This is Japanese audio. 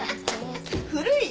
古い。